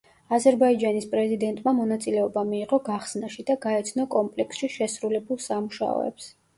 აზერბაიჯანის პრეზიდენტმა მონაწილეობა მიიღო გახსნაში და გაეცნო კომპლექსში შესრულებულ სამუშაოებს.